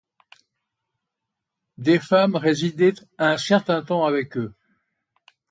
Des femmes résidaient un certain temps avec eux.